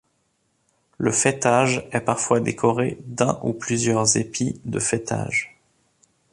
Le faîtage est parfois décoré d'un ou plusieurs épis de faîtage.